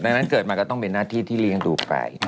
ดังนั้นเกิดมาก็ต้องเป็นหน้าที่ที่เลี้ยงดูใคร